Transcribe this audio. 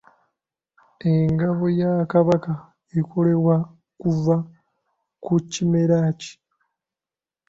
Engabo ya Kabaka ekolebwa kuva ku kimera ki?